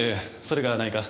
それが何か？